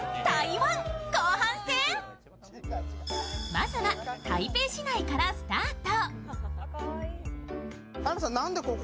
まずは台北市内からスタート。